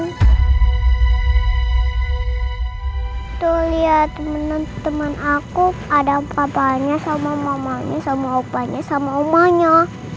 tuh lihat temen temen aku ada papanya sama mamanya sama opanya sama omanya